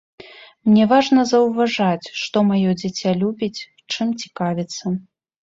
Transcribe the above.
Мне важна заўважаць, што маё дзіця любіць, чым цікавіцца.